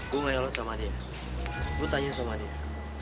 gue gak nyolot sama dia gue tanya sama dia